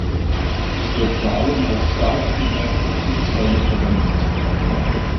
Es wird vor allem als Strahltriebwerk für Flugzeuge verwendet.